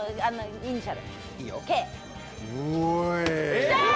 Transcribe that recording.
イニシャル。